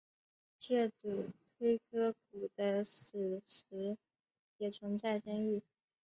介子推割股的史实也存在争议。